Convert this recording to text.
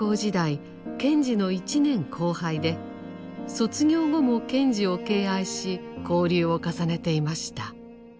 賢治の１年後輩で卒業後も賢治を敬愛し交流を重ねていました。